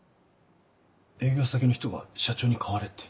営業先の人が社長に替われって。